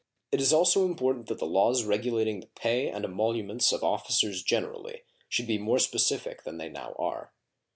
It is also important that the laws regulating the pay and emoluments of officers generally should be more specific than they now are.